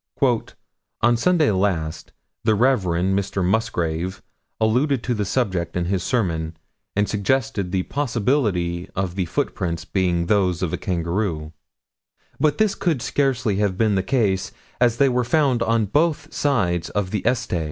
"On Sunday last the Rev. Mr. Musgrave alluded to the subject in his sermon and suggested the possibility of the footprints being those of a kangaroo, but this could scarcely have been the case, as they were found on both sides of the Este.